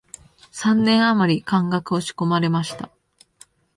三年あまり漢学を仕込まれました